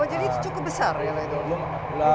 oh jadi itu cukup besar ya lu itu